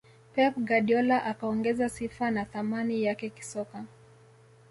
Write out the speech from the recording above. pep guardiola akaongeza sifa na thamani yake kisoka